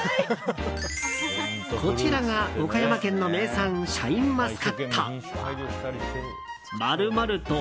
こちらが岡山県の名産シャインマスカット。